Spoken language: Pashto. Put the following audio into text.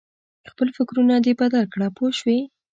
خپل فکرونه دې بدل کړه پوه شوې!.